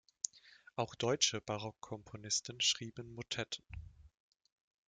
Auch deutsche Barockkomponisten schrieben Motetten.